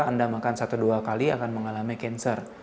anda makan satu dua kali akan mengalami cancer